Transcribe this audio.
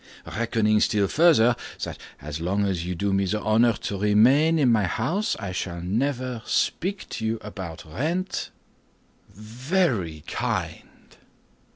"Reckoning still further, that as long as you do me the honor to remain in my house I shall never speak to you about rent—" "Very kind!"